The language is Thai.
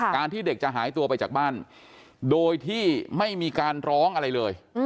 ที่เด็กจะหายตัวไปจากบ้านโดยที่ไม่มีการร้องอะไรเลย